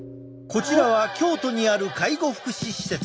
こちらは京都にある介護福祉施設。